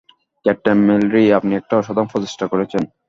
Captain Mallory, আপনি একটা অসাধারণ প্রচেষ্টা করেছেন।